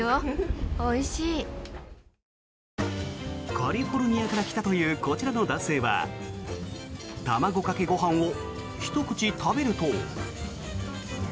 カリフォルニアから来たというこちらの男性は卵かけご飯をひと口食べると。